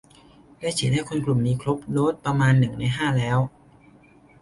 ได้ฉีดให้คนกลุ่มนี้ครบโดสประมาณหนึ่งในห้าแล้ว